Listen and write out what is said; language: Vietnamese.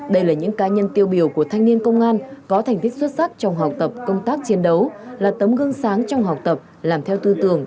đây là những cá nhân tiêu biểu của thanh niên công an có thành tích xuất sắc trong học tập công tác chiến đấu là tấm gương sáng trong học tập làm theo tư tưởng